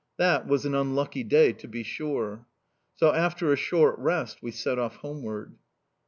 That was an unlucky day, to be sure!... So, after a short rest, we set off homeward...